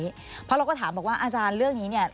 เพราะเราก็ถามว่าอาจารย์เรื่องนี้